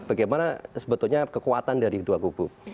bagaimana sebetulnya kekuatan dari dua gubuk